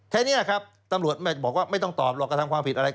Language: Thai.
แค่นี้ครับตำรวจบอกว่าไม่ต้องตอบหรอกกระทำความผิดอะไร